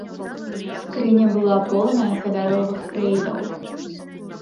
Скрыня была поўная каляровых крэйдаў.